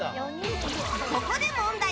ここで問題。